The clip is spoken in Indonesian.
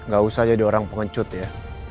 gak usah jadi orang pengecut ya